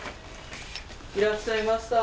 いらっしゃいました。